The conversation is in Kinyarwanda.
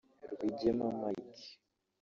Rwigema Mike